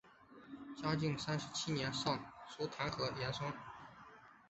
嘉靖三十七年上疏弹劾严嵩。